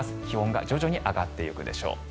気温が徐々に上がっていくでしょう。